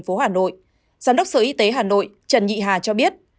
giám đốc sở y tế hà nội trần nhị hà cho biết